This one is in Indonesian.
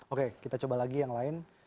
oke kita coba lagi yang lain